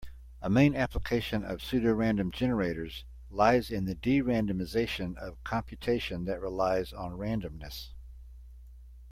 A main application of pseudorandom generators lies in the de-randomization of computation that relies on randomness.